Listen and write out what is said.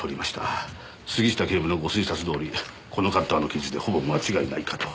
杉下警部のご推察どおりこのカッターの傷でほぼ間違いないかと。